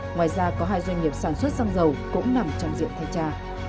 ngoài ra có hai doanh nghiệp sản xuất xăng dầu cũng nằm trong diện thanh tra